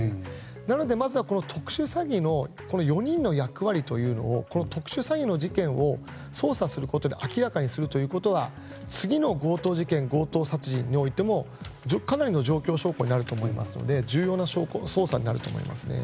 なので、まずは特殊詐欺の４人の役割というのをこの特殊詐欺の事件を捜査することで明らかにするということが次の強盗事件、強盗殺人においてもかなりの状況証拠になると思いますので重要な捜査になると思いますね。